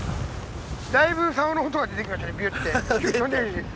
だいぶサオの音が出てきましたねビュッて。